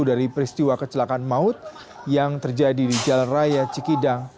dari peristiwa kecelakaan maut yang terjadi di jalan raya cikidang